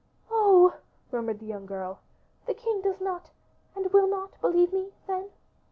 "Oh!" murmured the young girl, "the king does not, and will not believe me, then?"